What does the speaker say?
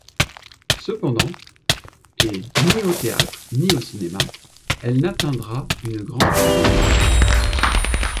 Cependant, et ni au théâtre ni au cinéma, elle n'atteindra une grande célébrité.